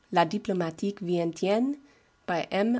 [La Diplomatic Venitienne, by M.